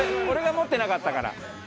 俺が持ってなかったから。